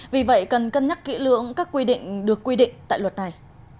vì vậy cần cân nhắc kỹ lưỡng các quy định được quy định tại luật này